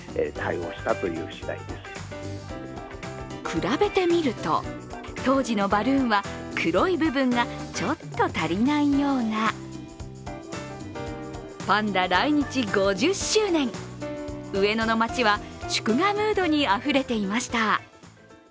比べてみると、当時のバルーンは黒い部分がちょっと足りないようなパンダ来日５０周年上野の街は祝賀ムードにあふれていました。